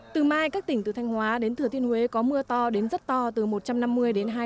từ mai các tỉnh từ thanh hóa đến thừa thiên huế có mưa to đến rất to từ một trăm năm mươi đến hai trăm linh mm